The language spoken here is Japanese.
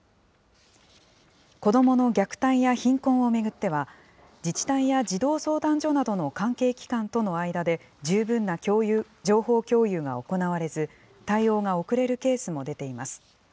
子どもの虐待や貧困を巡っては、自治体や児童相談所などの関係機関との間で十分な情報共有が行われず、対応が遅れるケースも出ています。